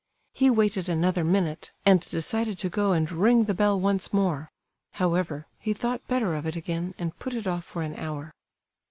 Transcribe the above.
He waited another minute, and decided to go and ring the bell once more; however, he thought better of it again and put it off for an hour.